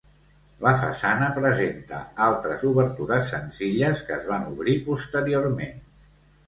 La façana presenta altres obertures senzilles que es van obrir posteriorment.